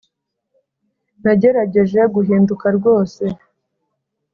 nagerageje guhinduka rwose